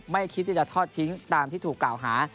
ไม่คิดที่จะทอดทิ้งตามที่ถูกกล่าวหา